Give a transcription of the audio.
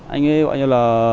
anh ấy gọi như là